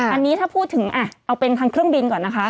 อันนี้ถ้าพูดถึงเอาเป็นทางเครื่องบินก่อนนะคะ